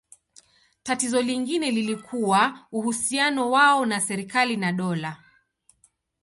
Tatizo lingine lilikuwa uhusiano wao na serikali na dola.